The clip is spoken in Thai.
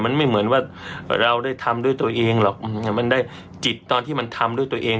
มันไม่เหมือนว่าเราได้ทำด้วยตัวเองหรอกมันได้จิตตอนที่มันทำด้วยตัวเอง